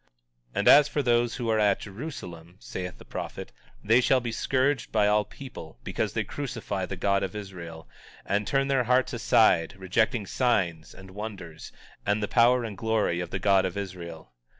19:13 And as for those who are at Jerusalem, saith the prophet, they shall be scourged by all people, because they crucify the God of Israel, and turn their hearts aside, rejecting signs and wonders, and the power and glory of the God of Israel.